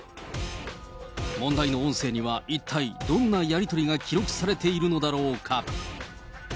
問題の音声には一体どんなやり取りが記録されているのだろうか。